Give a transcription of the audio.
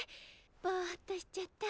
ボーっとしちゃった。